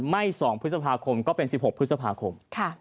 ๒พฤษภาคมก็เป็น๑๖พฤษภาคม